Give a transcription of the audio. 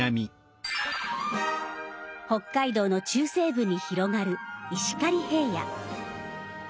北海道の中西部に広がる石狩平野。